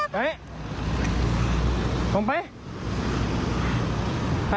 ไปตรงไปไป